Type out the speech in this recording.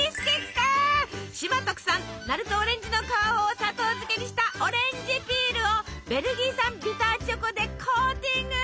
島特産鳴門オレンジの皮を砂糖漬けにしたオレンジピールをベルギー産ビターチョコでコーティング！